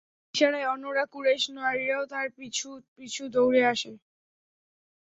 তার ইশারায় অন্যান্য কুরাইশ নারীরাও তার পিছু পিছু দৌড়ে আসে।